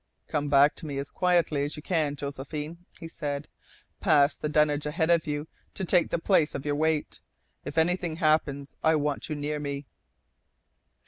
"Come back to me as quietly as you can, Josephine," he said. "Pass the dunnage ahead of you to take the place of your weight. If anything happens, I want you near me."